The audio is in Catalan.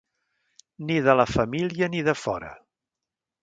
Ni de la família ni de fora.